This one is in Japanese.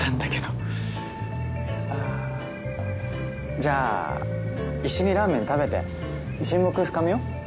じゃあ一緒にラーメン食べて親睦深めよう？